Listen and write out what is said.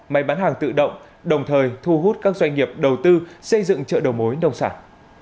máy bán hàng tự động đồng thời thu hút các doanh nghiệp đầu tư xây dựng chợ đầu mối nông sản